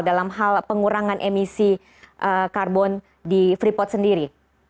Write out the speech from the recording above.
dalam hal pengurangan emisi karbon di freeport sendiri